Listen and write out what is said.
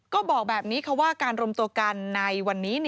ก็บอกแบบนี้ค่ะว่าการรวมตัวกันในวันนี้